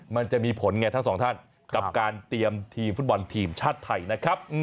มันจะมีผลไงทั้งสองท่านกับการเตรียมทีมฟุตบอลทีมชาติไทยนะครับ